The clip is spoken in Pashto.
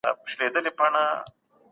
د پښتو ژبي وده زموږ ټولو ګډ مسؤلیت دی